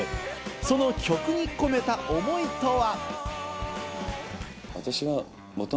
その曲に込めた思いとは？